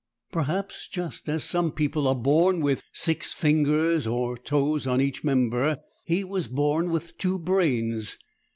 Perhaps, just as some people are born with six fingers or toes on each member, he was born with two brains.